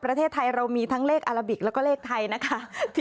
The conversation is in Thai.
พระเทศไทยเรามีเลยแรกอาระบิกและแรกไทยนะคะ